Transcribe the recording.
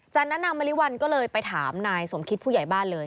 จากนั้นนางมริวัลก็เลยไปถามนายสมคิดผู้ใหญ่บ้านเลย